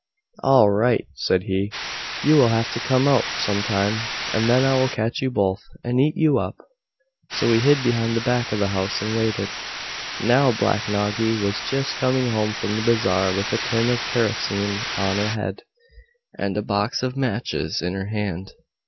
"All right," said he, "you will have to come out some time, and then I will catch you both, and eat you up." So he hid behind the back of the house and waited. Now Black Noggy was just coming home from the bazaar with a tin of kerosene on her head, and a box of matches in her hand.